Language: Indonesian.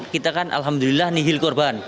kita kan alhamdulillah nihil korban